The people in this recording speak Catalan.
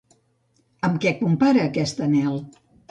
Amb què compara aquest anhel?